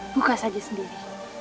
buka saja sendiri